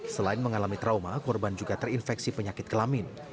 selain mengalami trauma korban juga terinfeksi penyakit kelamin